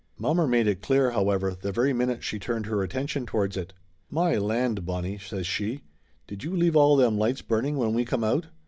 Mommer made it clear, however, the very minute she turned her attention towards it. "My land, Bonnie!" says she. "Did you leave all them lights burning when we come out